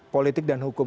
politik dan hukum